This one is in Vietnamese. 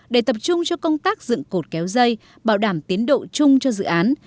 để tập trung cho công tác dựng cột kéo dây bảo đảm tiến độ chung cho dự án